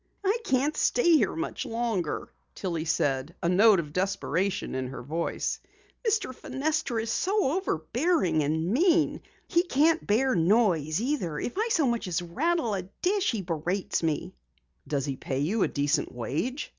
"I can't stay here much longer," Tillie said, a note of desperation in her voice. "Mr. Fenestra is so overbearing and mean! He can't bear noise either. If I as much as rattle a dish he berates me." "Does he pay you a decent wage?"